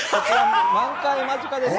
満開間近です。